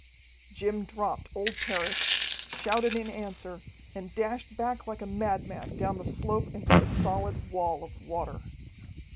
Jim dropped old Parrish, shouted in answer, and dashed back like a madman down the slope into the solid wall of water.